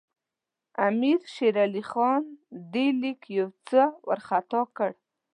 امیر شېر علي خان دې لیک یو څه وارخطا کړ.